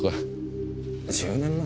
１０年前？